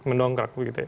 mendongkrak begitu ya